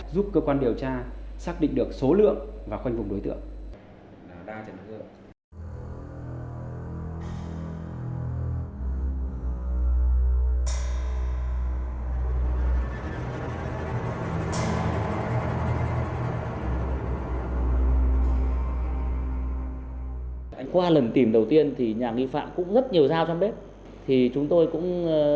giúp cơ quan điều tra xác định được số lượng và quanh vùng đối tượng